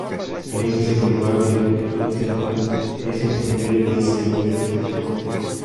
El índice global de Lindemann es un promedio del sistema de esta cantidad.